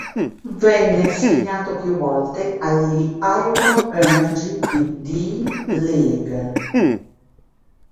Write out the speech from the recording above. Venne assegnato più volte agli Iowa Energy in D-League.